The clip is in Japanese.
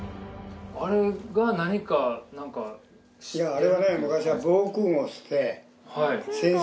あれはね昔。